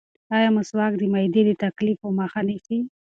ایا مسواک د معدې د تکالیفو مخه نیسي؟